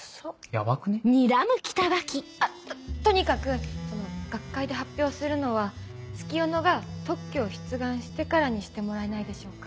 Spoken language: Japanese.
ヤバくね？ととにかく学会で発表するのは月夜野が特許を出願してからにしてもらえないでしょうか。